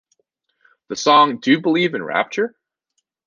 The song Do You Believe in Rapture?